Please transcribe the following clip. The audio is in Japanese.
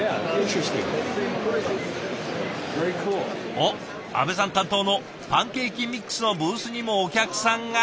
おっ阿部さん担当のパンケーキミックスのブースにもお客さんが。